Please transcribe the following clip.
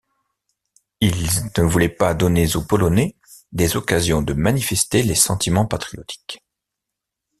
Ils ne voulaient pas donner aux Polonais des occasions de manifester les sentiments patriotiques.